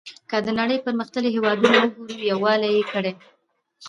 که د نړۍ پرمختللي هېوادونه وګورو یووالی یې کړی.